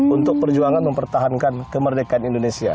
untuk perjuangan mempertahankan kemerdekaan indonesia